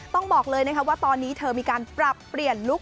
ต้องบอกเลยนะคะว่าตอนนี้เธอมีการปรับเปลี่ยนลุค